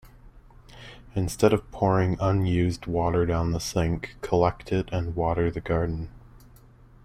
Instead of pouring unused water down the sink, collect it and water the garden.